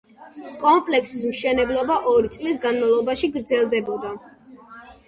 კომპლექსის მშენებლობა ორი წლის განმავლობაში გრძელდებოდა.